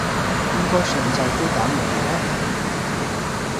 應該上晝都搞完㗎啦